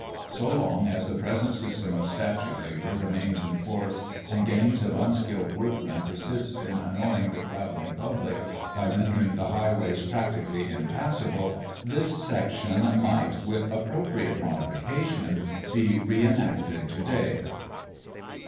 So long as the present system of statute labour remains in force and gangs of unskilled workmen persist in annoying the travelling public by rendering the highways practically impassable, this section might, with appropriate modifications, be re enacted to day.